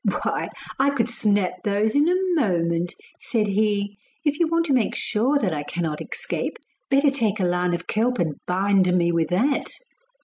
'Why I could snap those in a moment,' said he; 'if you want to make sure that I cannot escape, better take a line of kelp and bind me with that.